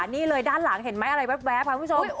นี่เลยด้านหลังเห็นไหมอะไรแว๊บค่ะคุณผู้ชม